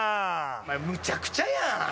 お前むちゃくちゃやん！